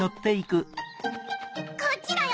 こっちだよ